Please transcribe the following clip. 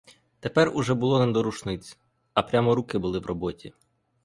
Тепер уже було не до рушниць, а прямо руки були в роботі.